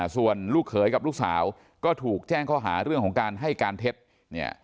ส่วนลูกเขยกับลูกสาวก็ถูกแจ้งข้อหาเรื่องของการให้การเท็จเนี่ย